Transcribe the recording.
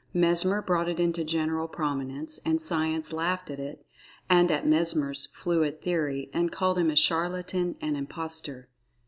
Mesmer brought it into general prominence, and Science laughed at it and at Mesmer's "fluid" theory, and called him a charlatan and imposter.